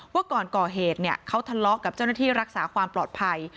ว่าก่อนก่อเหตุเขาทะเลาะกับเจ้าหน้าที่รักษาความปลอดภัย